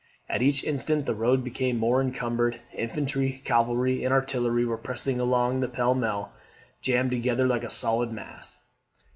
At each instant the road became more encumbered. Infantry, cavalry, and artillery, were pressing along pell mell: jammed together like a solid mass.